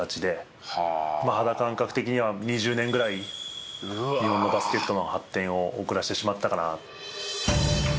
肌感覚的には２０年ぐらい日本のバスケットの発展を遅らせてしまったかな。